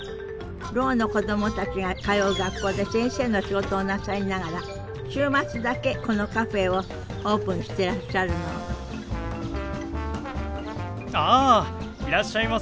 ろうの子供たちが通う学校で先生の仕事をなさりながら週末だけこのカフェをオープンしてらっしゃるのあいらっしゃいませ。